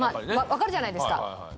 分かるじゃないですか。